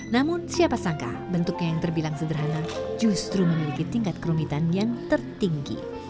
namun siapa sangka bentuknya yang terbilang sederhana justru memiliki tingkat kerumitan yang tertinggi